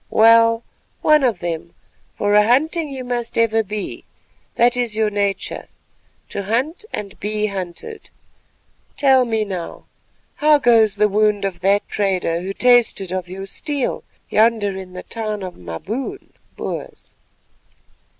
Well, one of them, for a hunting you must ever be; that is your nature, to hunt and be hunted. Tell me now, how goes the wound of that trader who tasted of your steel yonder in the town of the Maboon (Boers)?